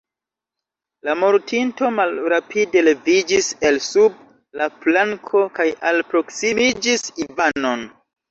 La mortinto malrapide leviĝis el sub la planko kaj alproksimiĝis Ivanon.